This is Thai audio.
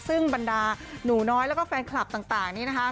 ซึ่งบรรดาหนูน้อยแล้วก็แฟนคลับต่างนี้นะคะ